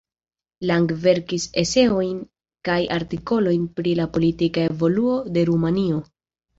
Lang verkis eseojn kaj artikolojn pri la politika evoluo de Rumanio.